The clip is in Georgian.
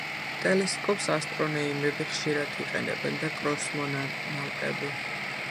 ტელესკოპს ასტრონეიმები ხშირად იყენებენ და კოსმონალტები